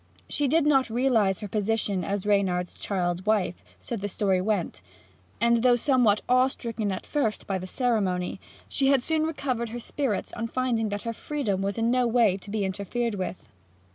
She did not realize her position as Reynard's child wife so the story went and though somewhat awe stricken at first by the ceremony, she had soon recovered her spirits on finding that her freedom was in no way to be interfered with.